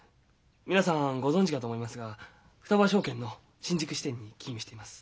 皆さんご存じかと思いますが双葉証券の新宿支店に勤務しています。